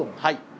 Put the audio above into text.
はい。